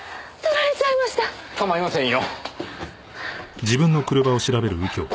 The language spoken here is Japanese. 構いませんよ。